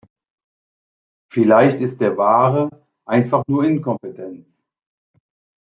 Vielleicht ist der wahre einfach nur Inkompetenz?